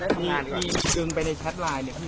ก็หลายหลายเรื่องครับหลายหลายเรื่องครับ